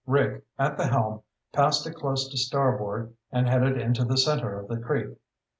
Rick, at the helm, passed it close to starboard and headed into the center of the creek.